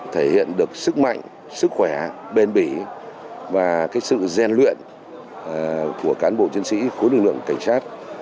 thể hiện được sức mạnh sức khỏe bền bỉ và sự gian luyện của cán bộ chiến sĩ khối lực lượng cảnh sát